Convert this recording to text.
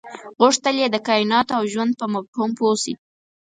غوښتل یې د کایناتو او ژوند په مفهوم پوه شي.